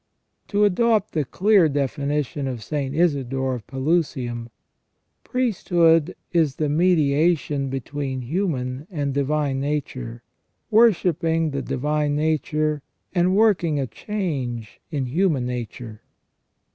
To adopt the clear definition of St. Isidore of Pelusium :" Priesthood is the mediation between human and divine nature, worshipping the divine nature and working a change in human nature".